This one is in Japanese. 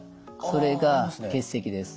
それが結石です。